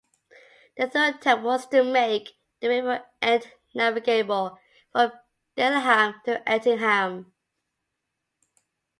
The third attempt was to make the River Ant navigable from Dilham to Antingham.